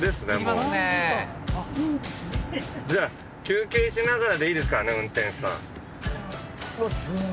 休憩しながらでいいですからね運転手さん。